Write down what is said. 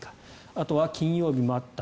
あとは金曜日もあった。